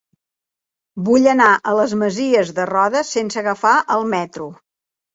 Vull anar a les Masies de Roda sense agafar el metro.